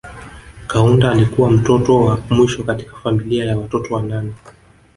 Kaunda alikuwa mtoto wa mwisho katika familia ya watoto wanane